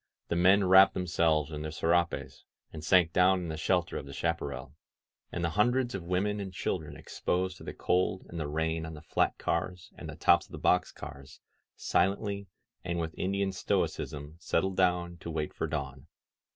The men wrapped themselves in their serapes and sank down in the shelter of the chaparral ; and the hundreds of women and chil dren exposed to the cold and the rain on the flat cars and the tops of the box cars silently and with Indian stoicism settled down to wait for dawn.